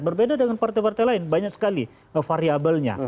berbeda dengan partai partai lain banyak sekali variabelnya